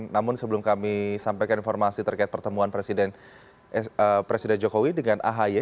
namun sebelum kami sampaikan informasi terkait pertemuan presiden jokowi dengan ahy